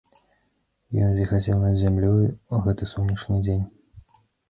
Ён зіхацеў над зямлёю, гэты сонечны дзень.